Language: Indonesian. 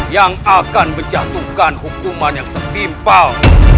yang akan menjatuhkan hukuman yang setimpal